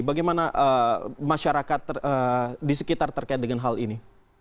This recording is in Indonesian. bagaimana masyarakat di sekitar terkait dengan hal ini